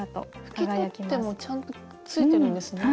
拭き取ってもちゃんとついてるんですね。